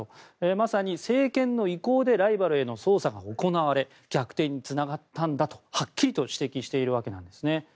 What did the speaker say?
まさに政権の意向でライバルへの捜査が行われ逆転につながったんだとはっきりと指摘しているわけですね。